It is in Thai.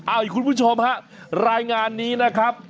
อ้าวคุณผู้ชมครับรายงานนี้นะครับ